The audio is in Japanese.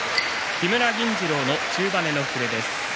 木村銀治郎の中跳ねの触れです。